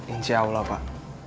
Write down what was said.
insya allah pak